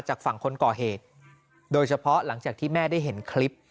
จากฝั่งคนก่อเหตุโดยเฉพาะหลังจากที่แม่ได้เห็นคลิป